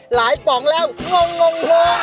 หลายเป๋องแล้วงง